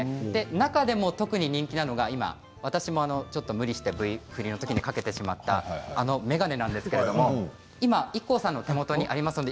中でも特に人気なのが今、私もちょっと無理してＶ振りのときに掛けてしまったあの眼鏡なんですけれども今ＩＫＫＯさんのお手元にあります。